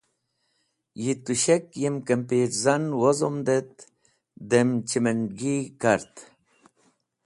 Yi tushek yem kampirzan wozomd et dem chimend̃gi kart.